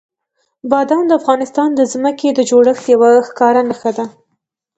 بادام د افغانستان د ځمکې د جوړښت یوه ښکاره نښه ده.